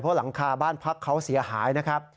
เพราะหลังคาบ้านพักเขาเสียหายนะครับ